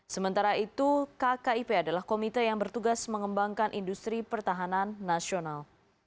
sementara itu kkip adalah komite yang bertugas mengembangkan industri pertahanan nasional